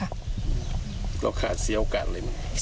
แล้วขาดเสียโอกาสอะไรมั้ย